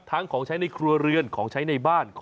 ของใช้ในครัวเรือนของใช้ในบ้าน